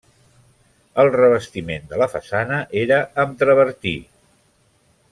El revestiment de la façana era amb travertí.